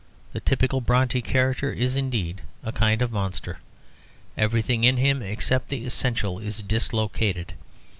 The typical Brontë character is, indeed, a kind of monster. Everything in him except the essential is dislocated.